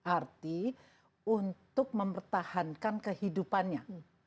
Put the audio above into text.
arti untuk mempertahankan kehidupannya